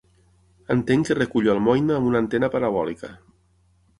Entenc que recullo almoina amb una antena parabòlica.